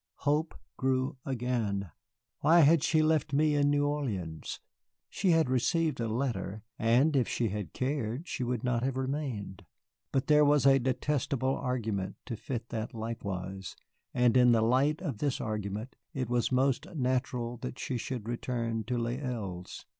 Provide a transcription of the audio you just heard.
Hope grew again, why had she left me in New Orleans? She had received a letter, and if she had cared she would not have remained. But there was a detestable argument to fit that likewise, and in the light of this argument it was most natural that she should return to Les Îles.